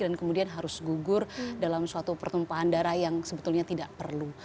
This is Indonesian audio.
dan kemudian harus gugur dalam suatu pertumpahan darah yang sebetulnya tidak perlu